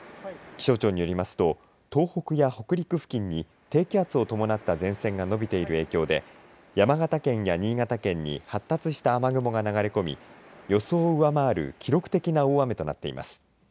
気象庁によりますと東北や北陸付近に低気圧を伴った前線が伸びている影響で山形県や新潟県に発達した雨雲が流れ込み予想を上回る記録的な大雨となっています。